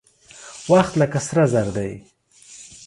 وخت لکه سره زر دى.